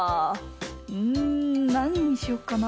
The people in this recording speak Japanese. うんなににしよっかな。